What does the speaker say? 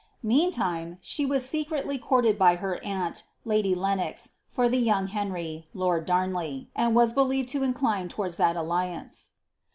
Meantime, she was secretly courted by her aunt, lady Lenox, for the young Henry, lord Darnley, and was believed to incline towards that alliance.